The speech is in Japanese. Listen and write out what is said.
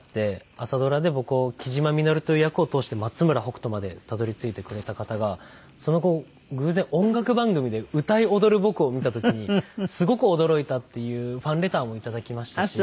朝ドラで僕を雉真稔という役を通して松村北斗までたどり着いてくれた方がその後偶然音楽番組で歌い踊る僕を見た時にすごく驚いたっていうファンレターもいただきましたし。